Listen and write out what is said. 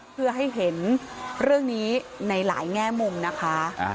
เพื่อให้เห็นเรื่องนี้ในหลายแง่มุมนะคะ